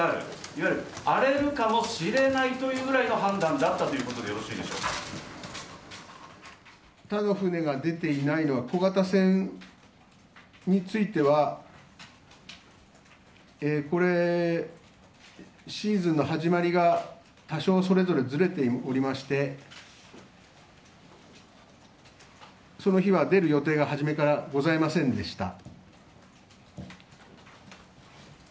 いわゆる荒れるかもしれないというぐらいの判断だった他の船が出ていないのは小型船についてはシーズンの始まりが多少、それぞれずれておりましてその日は出る予定が初めからございませんでした。